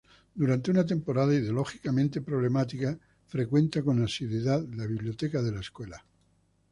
Durante una etapa ideológicamente problemática, frecuenta con asiduidad la biblioteca de la Escuela.